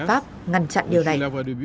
pháp ngăn chặn điều này